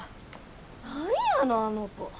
何やのあの子。